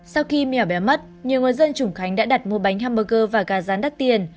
sau khi mèo béo mất nhiều người dân trung khánh đã đặt mua bánh hamburger và gà rán đắt tiền